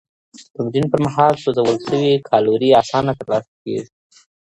تمرین پر مهال سوځول شوې کالوري اسانه ترلاسه کېږي.